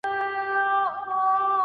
چاچي دخپلي لور سپکاوی نه وي کړی.